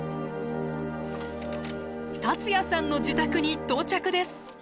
達也さんの自宅に到着です。